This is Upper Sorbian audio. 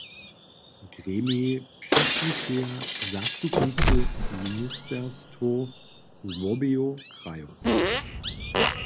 Gremijej přisłušeja zastupnicy ministerstwow z wobeju krajow.